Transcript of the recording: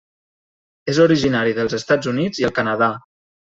És originari dels Estats Units i el Canadà.